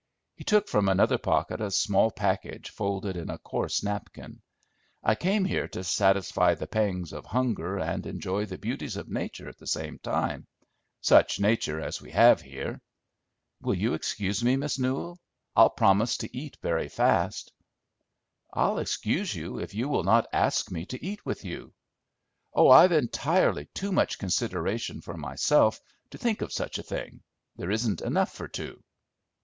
He took from another pocket a small package folded in a coarse napkin. "I came here to satisfy the pangs of hunger and enjoy the beauties of nature at the same time, such nature as we have here. Will you excuse me, Miss Newell? I'll promise to eat very fast." "I'll excuse you if you will not ask me to eat with you." "Oh, I've entirely too much consideration for myself to think of such a thing; there isn't enough for two."